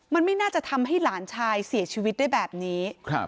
มันไม่น่าจะทำให้หลานชายเสียชีวิตได้แบบนี้